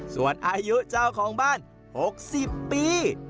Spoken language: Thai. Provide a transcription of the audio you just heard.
ส่วนอายุเจ้าของบ้าน๖๐ปี